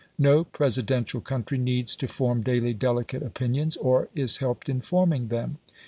No Presidential country needs to form daily delicate opinions, or is helped in forming them.